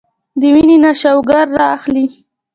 د وينې نه شوګر را اخلي